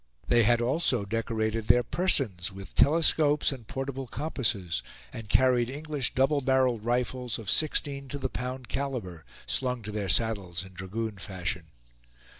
They had also decorated their persons with telescopes and portable compasses, and carried English double barreled rifles of sixteen to the pound caliber, slung to their saddles in dragoon fashion.